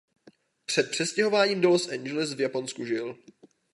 Před přestěhováním do Los Angeles v Japonsku žil.